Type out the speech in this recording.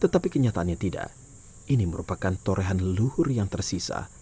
tetapi kenyataannya tidak ini merupakan torehan leluhur yang tersisa